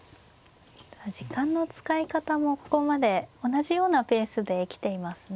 時間の使い方もここまで同じようなペースで来ていますね。